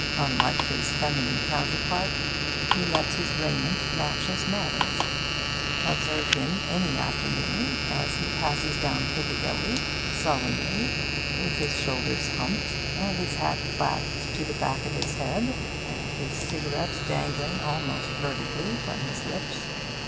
Unlike his feminine counterpart, he lets his raiment match his manners. Observe him any afternoon, as he passes down Piccadilly, sullenly, with his shoulders humped, and his hat clapped to the back of his head, and his cigarette dangling almost vertically from his lips.